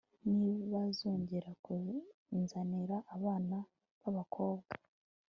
nibazongere kunzanira abana babakobwa